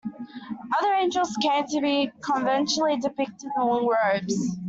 Other angels came to be conventionally depicted in long robes.